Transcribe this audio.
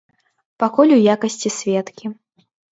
Пакуль у якасці сведкі.